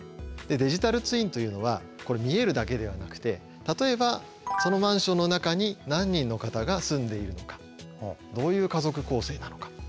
デジタルツインというのは見えるだけではなくて例えばそのマンションの中に何人の方が住んでいるのかどういう家族構成なのか